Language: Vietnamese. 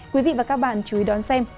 quý vị và các bạn chú ý đón xem